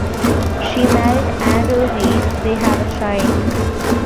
She married Andrew Rees; they have a child.